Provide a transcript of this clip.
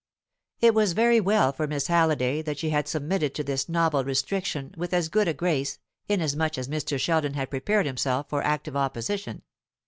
It was very well for Miss Halliday that she had submitted to this novel restriction with as good a grace, inasmuch as Mr. Sheldon had prepared himself for active opposition.